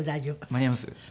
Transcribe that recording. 間に合います。